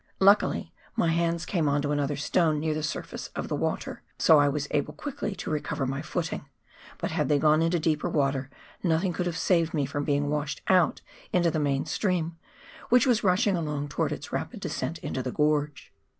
Luckily, my hands came on to another stone near the surface of the water, so I was able quickly to recover my footing ; but had they gone into deeper water, nothing could have saved me from being washed out into the main stream, which was rushing along towards its rapid descent into the gorge.